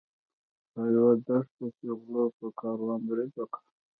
په یوه دښته کې غلو په کاروان برید وکړ.